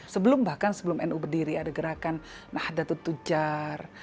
sebelum bahkan sebelum nu berdiri ada gerakan nahdlatul tujar